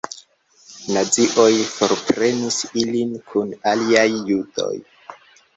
Nazioj forprenis ilin kun aliaj judoj.